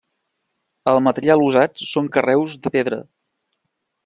El material usat són carreus de pedra.